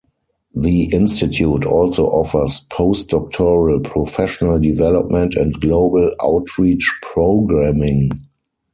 The Institute also offers Post Doctoral, professional development and global outreach programming.